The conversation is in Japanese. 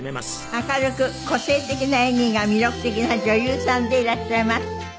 明るく個性的な演技が魅力的な女優さんでいらっしゃいます。